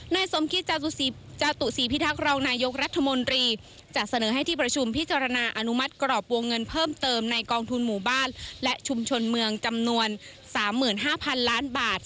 สมคิดจตุศรีพิทักษ์รองนายกรัฐมนตรีจะเสนอให้ที่ประชุมพิจารณาอนุมัติกรอบวงเงินเพิ่มเติมในกองทุนหมู่บ้านและชุมชนเมืองจำนวน๓๕๐๐๐ล้านบาท